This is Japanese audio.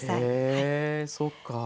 へえそうか。